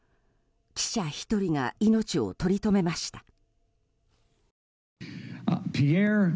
記者１人が命を取り留めました。